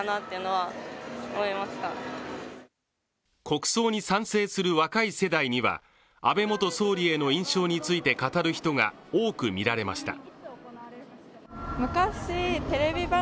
国葬に賛成する若い世代には安倍元総理への印象について語る人が多くみられました。